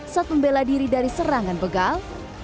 saat membela diri dari serangan begal